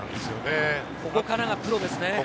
ここからがプロですね。